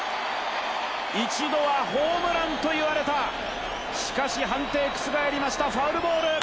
一度はホームランと言われた、しかし判定、覆りましたファウルボール。